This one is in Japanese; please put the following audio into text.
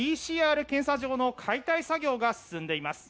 ＰＣＲ検査場の解体作業が進んでいます。